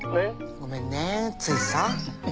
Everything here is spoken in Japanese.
ごめんねついさ。